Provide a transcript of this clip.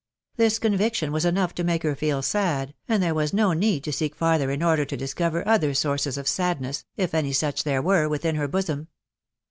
... This conviction was enough to make her feel sad, and there was no need to seek farther in order to discover other sources of sadness, if any such there were, within her bosom.